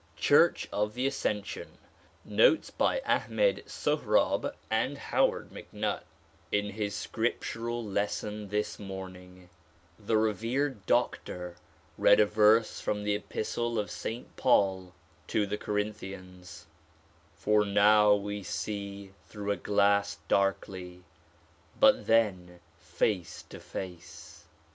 Church of the Ascension. Notes by Ahmed Sohrab and Howard MacNutt IN his scriptural lesson this morning the revered Doctor read a verse from the Epistle of St. Paul to the Corinthians, '' For now we see through a glass darkly, but then face to face."'